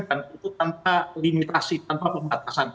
dan itu tanpa limitasi tanpa pembatasan